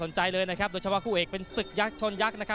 เลยนะครับโดยเฉพาะคู่เอกเป็นศึกยักษ์ชนยักษ์นะครับ